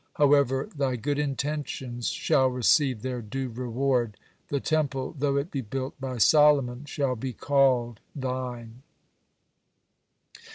However, thy good intentions shall receive their due reward. The Temple, though it be built by Solomon, shall be called thine."